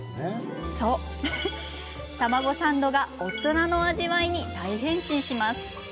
卵サンドが大人の味わいに大変身します。